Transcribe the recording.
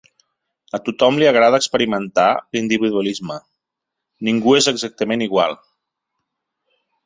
A tothom li agrada experimentar l'individualisme. Ningú és exactament igual.